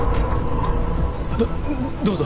どどうぞ。